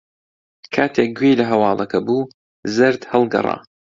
کاتێک گوێی لە ھەواڵەکە بوو، زەرد ھەڵگەڕا.